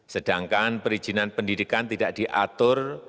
sedangkan perizinan pendidikan tidak diatur